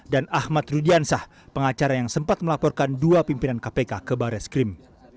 dan ahmad rudiansah pengacara yang sempat melaporkan dua pimpinan kpk ke barreskrim